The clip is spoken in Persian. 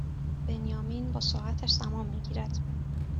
بنیامین با ساعتش زمان میگیرد